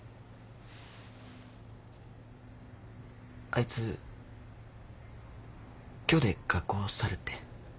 あいつ今日で学校を去るって。